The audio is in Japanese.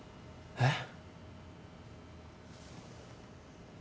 えっ？